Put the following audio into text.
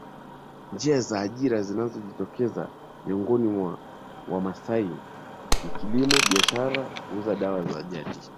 Njia za ajira zinazojitokeza miongoni mwa Wamasai ni kilimo biashara kuuza dawa za jadi